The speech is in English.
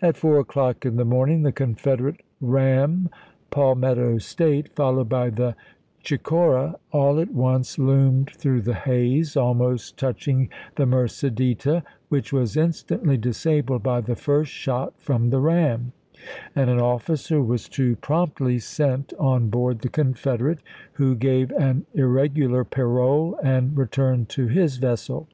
At four o'clock in the morning the Confed erate ram Palmetto State (followed by the Chicora) all at once loomed through the haze, almost touch ing the Mercedita, which was instantly disabled by the first shot from the ram, and an officer was too promptly sent on board the Confederate, who gave an irregular parole and returned to his vessel.